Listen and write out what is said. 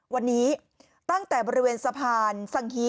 วันนี้ตั้งแต่บริเวณสะพานสังฮี